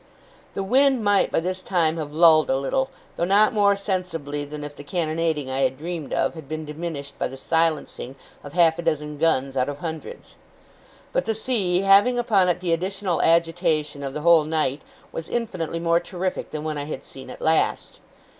The wind might by this time have lulled a little, though not more sensibly than if the cannonading I had dreamed of, had been diminished by the silencing of half a dozen guns out of hundreds. But the sea, having upon it the additional agitation of the whole night, was infinitely more terrific than when I had seen it last.